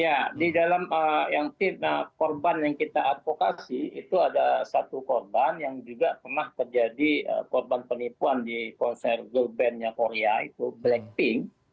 ya di dalam korban yang kita advokasi itu ada satu korban yang juga pernah terjadi korban penipuan di konser girl band nya korea itu blackpink